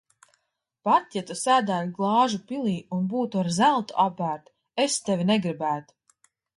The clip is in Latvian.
Pat ja Tu sēdētu glāžu pilī un būtu ar zeltu apbērta, es tevi negribētu.